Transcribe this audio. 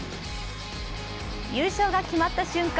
優勝が決まった瞬間